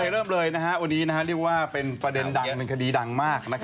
เริ่มเลยวันนี้เรียกว่าเป็นประเด็นดังเป็นคดีดังมาก